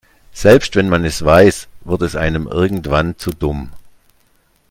Selbst wenn man es weiß, wird es einem irgendwann zu dumm.